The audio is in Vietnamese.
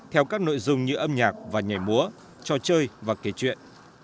theo các nội dung như âm nhạc và nhảy múa trò chơi và kể chuyện